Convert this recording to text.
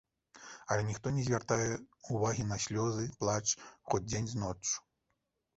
Але ніхто не звяртае ўвагі на слёзы, плач хоць дзень з ноччу.